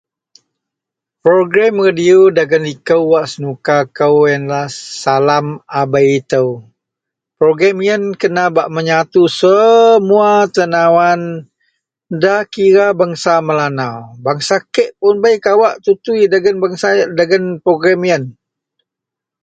Program redio dagen likou wak senukakou yenlah Salam Abei Itou. Program yen kena menyatu semua tenawan nda kira bangsa Melanau, bangsa kek puun bei kawak tutui dagen program yen